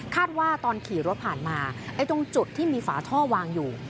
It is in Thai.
ว่าตอนขี่รถผ่านมาตรงจุดที่มีฝาท่อวางอยู่